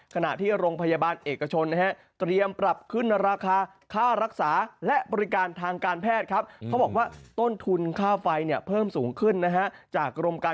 ขณะที่โรงพยาบาลเอกชนเตรียมปรับขึ้นราคา